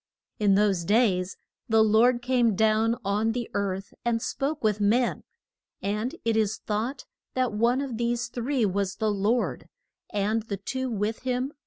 In those days the Lord came down on the earth and spoke with men, and it is thought that one of these three was the Lord, and the two with him were an gels.